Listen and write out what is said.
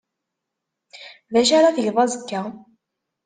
D acu ara tgeḍ azekka?